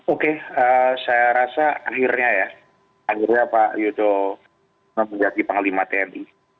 oke saya rasa akhirnya ya akhirnya pak yudo menjadi panglima tni